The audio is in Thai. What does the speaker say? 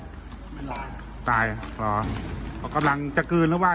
รอดไหมไม่รอดตายอ๋อเขากำลังจักรืนหรือเปล่า